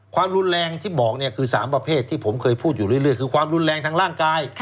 ความรุนแรงที่บอกเนี่ยคือ๓ประเภทที่ผมเคยพูดอยู่เรื่อยคือความรุนแรงทางร่างกาย